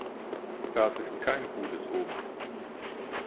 Das ist kein gutes Omen.